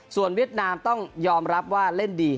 ส่วนเวียดนามต้องยอมรับว่าเล่นดี